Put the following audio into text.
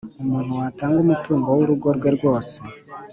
Umuntu watanga umutungo w’urugo rwe rwose,